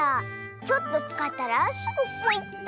ちょっとつかったらすぐポイっと！